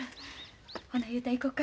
ほな雄太行こか。